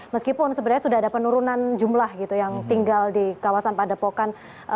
meskipun sebenarnya sudah ada penurunan jumlah gitu yang tinggal di kawasan padepokan